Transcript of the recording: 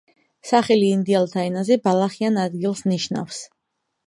სახელი ინდიელთა ენაზე „ბალახიან ადგილს“ ნიშნავს.